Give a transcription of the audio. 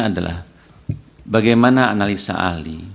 adalah bagaimana analisa ahli